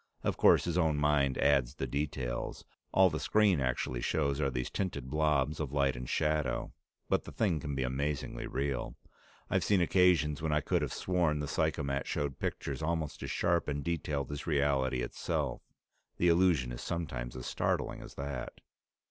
Of course his own mind adds the details. All the screen actually shows are these tinted blobs of light and shadow, but the thing can be amazingly real. I've seen occasions when I could have sworn the psychomat showed pictures almost as sharp and detailed as reality itself; the illusion is sometimes as startling as that.